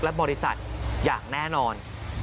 และบริษัทอย่างแน่นอน